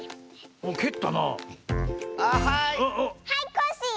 はいコッシー！